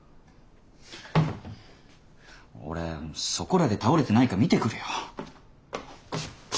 俺そこらで倒れてないか見てくるよ。